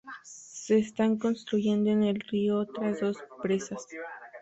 Se están construyendo en el río otras dos presas.